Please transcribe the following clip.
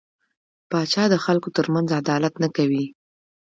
پاچا د خلکو ترمنځ عدالت نه کوي .